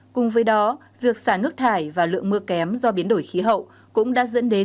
cùng với đó việc xả nước thải và lượng mưa kém do biến đổi khí hậu cũng đã dẫn đến